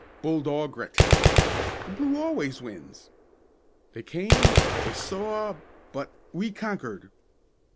"Bull dog grit!" "The blue always wins!" "They came they saw but we conquered!"